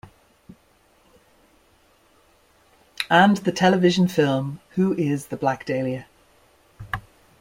And the television film Who Is the Black Dahlia?